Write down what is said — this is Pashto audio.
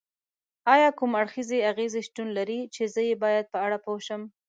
ایا کوم اړخیزې اغیزې شتون لري چې زه یې باید په اړه پوه شم؟